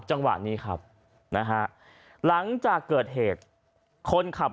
จังหวะเดี๋ยวจะให้ดูนะ